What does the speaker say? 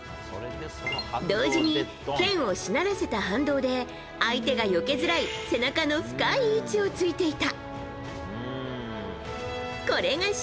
同時に、剣をしならせた反動で相手がよけづらい背中の深い位置を突いていた。